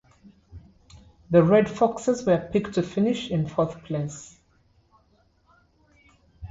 The Red Foxes were picked to finish in fourth place.